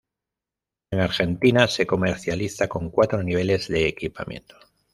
En Argentina se comercializa con cuatro niveles de equipamiento.